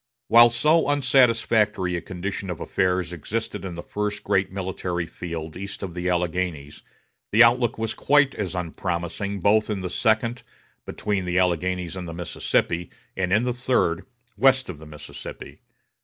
While so unsatisfactory a condition of affairs existed in the first great military field east of the Alleghanies, the outlook was quite as unpromising both in the second between the Alleghanies and the Mississippi and in the third west of the Mississippi.